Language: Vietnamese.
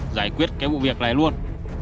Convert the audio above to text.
giải quyết cái vụ việc này luôn